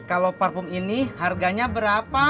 kalau parfum ini harganya berapa